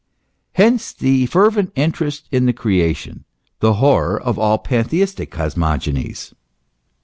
Hence the fervent interest in the Creation, the horror of all pantheistic cosmogonies.